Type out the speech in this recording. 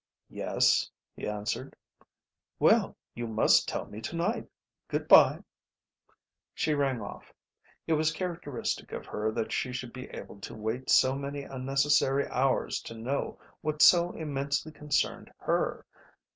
"Yes," he answered. "Well, you must tell me to night. Good bye." She rang off. It was characteristic of her that she should be able to wait so many unnecessary hours to know what so immensely concerned her.